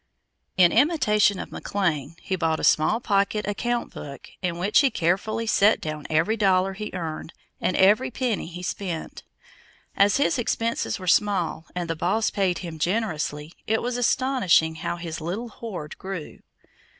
In imitation of McLean, he bought a small pocket account book, in which he carefully set down every dollar he earned and every penny he spent. As his expenses were small and the Boss paid him generously, it was astonishing how his little hoard grew.